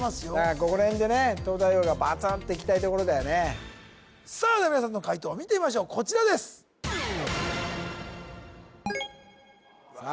ここらへんでね東大王がバツンといきたいところだよねさあでは皆さんの解答を見てみましょうこちらですさあ